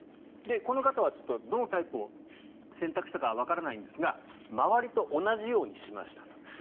この方はどのタイプを選択したかわからないんですが周りと同じようにしましたと。